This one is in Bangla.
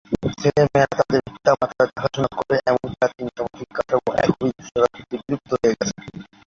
ছেলেমেয়েরা তাদের পিতামাতার দেখাশোনা করে এমন প্রাচীন সামাজিক কাঠামো একবিংশ শতাব্দীতে বিলুপ্ত হয়ে গেছে।